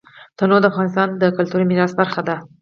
تنوع د افغانستان د کلتوري میراث برخه ده.